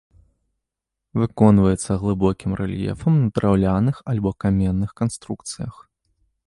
Выконваецца глыбокім рэльефам на драўляных або каменных канструкцыях.